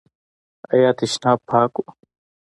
ایا تشناب پاک و؟